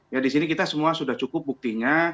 ya di sini kita semua sudah cukup buktinya